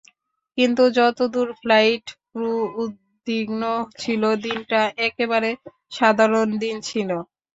কিন্তু যতদূর flight crew উদ্বিগ্ন ছিল, দিনটা একেবারে সাধারণ দিন ছিল।